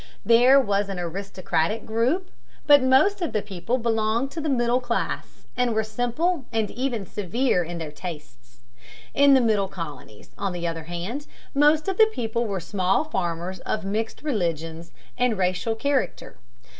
There was an aristocratic group, but most of the people belonged to the middle class, and were simple and even severe in their tastes. In the middle colonies, on the other hand, most of the people were small farmers of mixed religious and racial character.